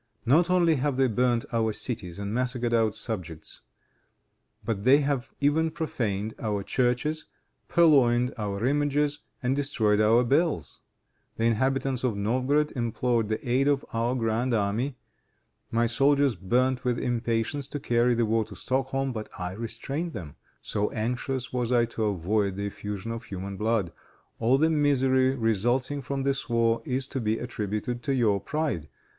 Not only have they burned our cities and massacred our subjects, but they have even profaned our churches, purloined our images and destroyed our bells. The inhabitants of Novgorod implored the aid of our grand army. My soldiers burned with impatience to carry the war to Stockholm, but I restrained them; so anxious was I to avoid the effusion of human blood. All the misery resulting from this war, is to be attributed to your pride.